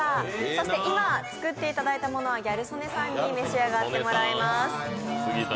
そして今、作っていただいたものはギャル曽根さんに召し上がってもらいます。